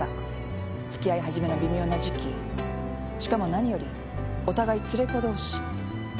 つきあい始めの微妙な時期しかも何よりお互い連れ子同士。